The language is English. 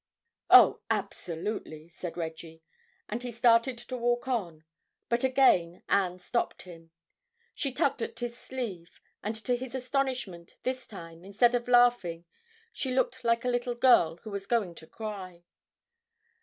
"Oh, absolutely," said Reggie, and he started to walk on. But again Anne stopped him. She tugged at his sleeve, and to his astonishment, this time, instead of laughing, she looked like a little girl who was going to cry.